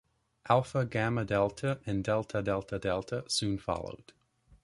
Alpha Gamma Delta and Delta Delta Delta soon followed.